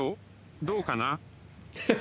どうかな？